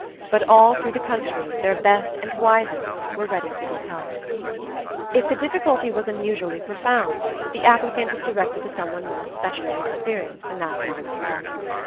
But all through the country their best and wisest were ready to give help. If the difficulty was unusually profound, the applicant was directed to someone more specially experienced in that line of thought.